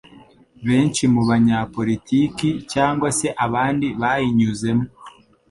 benshi mu banyapolitiki cyangwa se abandi bayinyuzemo.